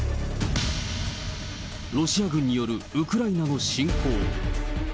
ロシア軍によるウクライナの侵攻。